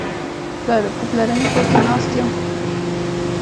په پلرني کور کې ناست یم.